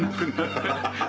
ハハハ！